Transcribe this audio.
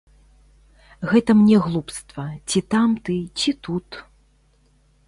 Гэта мне глупства, ці там ты, ці тут.